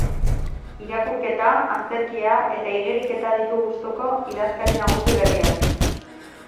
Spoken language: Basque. Irakurketa, antzerkia eta igeriketa ditu gustuko idazkari nagusi berriak.